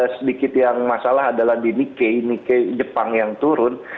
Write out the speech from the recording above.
sedikit yang masalah adalah di nike nike jepang yang turun